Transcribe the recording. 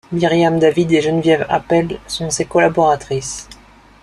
Myriam David et Geneviève Appell sont ses collaboratrices.